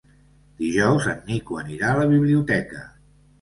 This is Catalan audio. Dijous en Nico anirà a la biblioteca.